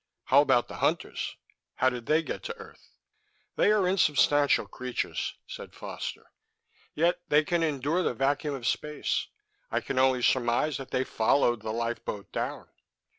"How about the Hunters? How did they get to earth?" "They are insubstantial creatures," said Foster, "yet they can endure the vacuum of space. I can only surmise that they followed the lifeboat down."